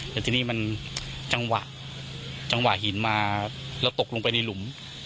แต่ทีนี้มันจังหวะหินมาเราตกลงไปในหลุม